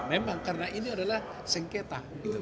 memang karena ini adalah sengketa